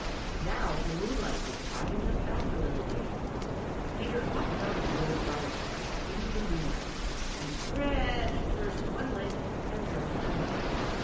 Now the moonlight was driving them back a little way. Peter hopped out of the Old Briar patch into the moonlight and stretched first one leg and then another.